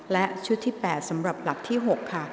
และชุดที่๘สำหรับหลักที่๖ค่ะ